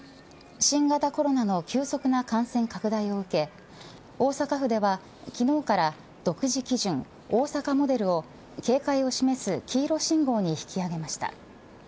新型コロナの急速な感染拡大を受け大阪府では、昨日から独自基準、大阪モデルを警戒を示す黄色信号に引き上げました。